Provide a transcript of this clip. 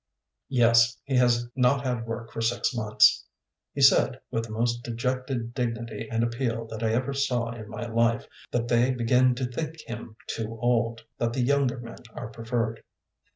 "Yes, he has not had work for six months. He said, with the most dejected dignity and appeal that I ever saw in my life, that they begin to think him too old, that the younger men are preferred."